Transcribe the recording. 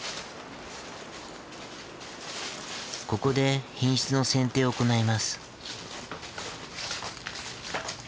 ここで品質の選定を行います。